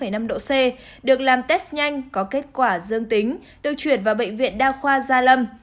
năm độ c được làm test nhanh có kết quả dương tính được chuyển vào bệnh viện đa khoa gia lâm